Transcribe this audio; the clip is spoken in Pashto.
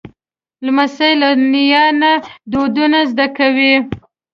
لمسی له نیا نه دودونه زده کوي.